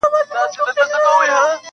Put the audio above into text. او ابۍ به دي له کوم رنځه کړیږي-!